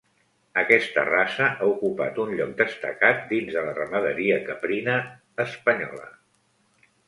Aquesta raça ha ocupat un lloc destacat dins de la ramaderia caprina espanyola.